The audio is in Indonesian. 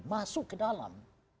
masuk ke dalam